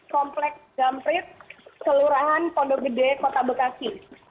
komplek jamprit seluruhan pondok gede kota bekasi